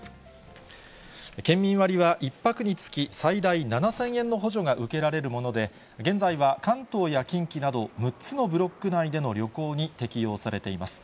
県民割は、１泊につき最大７０００円の補助が受けられるもので、現在は関東や近畿など、６つのブロック内での旅行に適用されています。